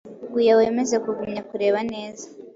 Gua wemeze kugumya kureba neza,